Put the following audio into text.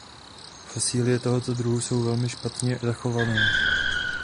Fosilie tohoto druhu jsou velmi špatně zachované.